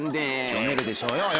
読めるでしょうよ！